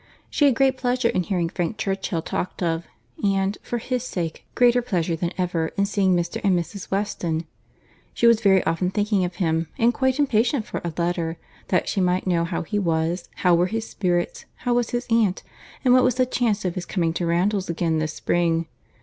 She had great pleasure in hearing Frank Churchill talked of; and, for his sake, greater pleasure than ever in seeing Mr. and Mrs. Weston; she was very often thinking of him, and quite impatient for a letter, that she might know how he was, how were his spirits, how was his aunt, and what was the chance of his coming to Randalls again this spring.